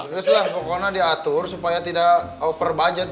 biasalah pokoknya diatur supaya tidak over budget gitu